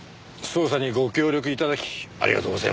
捜査にご協力頂きありがとうございました。